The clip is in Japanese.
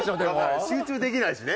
集中できないしね。